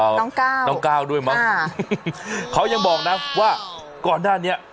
น้องก้าวน้องก้าวด้วยมั้งค่ะเขายังบอกนะว่าก่อนหน้านี้